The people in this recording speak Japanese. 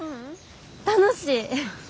楽しい！